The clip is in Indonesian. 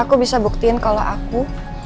aku bisa buktiin kalau aku